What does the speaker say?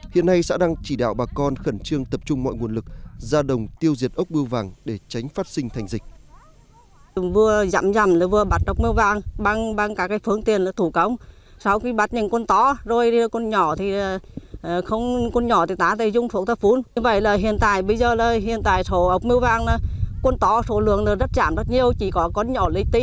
hiện nay xã đăng chỉ đạo bà con khẩn trương tập trung mọi nguồn lực ra đồng tiêu diệt ốc bưu vàng để tránh phát sinh thành dịch